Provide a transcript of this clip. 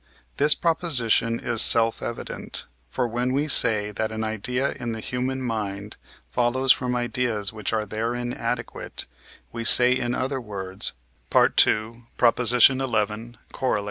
This proposition is self evident. For when we say that an idea in the human mind follows from ideas which are therein adequate, we say, in other words (II. xi. Coroll.)